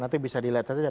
nanti bisa dilihat saja